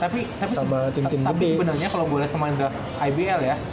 tapi sebenernya kalo gua liat pemain draft ibl ya